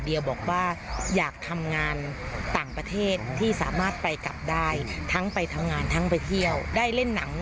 เดียวบอกว่าอยากทำงานต่างประเทศที่สามารถไปกลับได้ทั้งไปทำงานทั้งไปเที่ยวได้เล่นหนัง